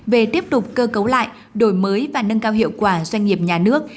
về tiếp tục cơ cấu lại đổi mới và nâng cao hiệu quả doanh nghiệp nhà nước